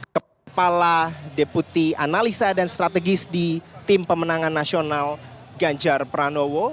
kepala deputi analisa dan strategis di tim pemenangan nasional ganjar pranowo